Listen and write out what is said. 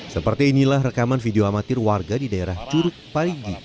seperti inilah rekaman video amatir warga di daerah curug parigi